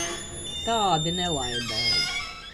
Tādi nelaidēji!